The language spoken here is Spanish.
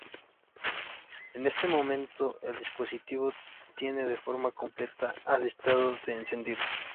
En este momento el dispositivo tiende de forma completa al estado de encendido.